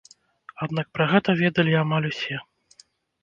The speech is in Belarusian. Аднак пра гэта ведалі амаль усе.